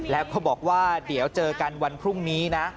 แล้วก็บอกว่าเดี๋ยวเจอกันวันพรุ่งนี้นะ